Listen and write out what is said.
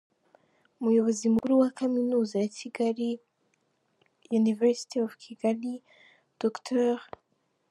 Umuyobozi Mukuru wa Kaminuza ya Kigali, UoK, Dr.